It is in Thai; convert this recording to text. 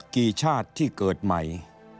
กี่ชาติที่เกิดใหม่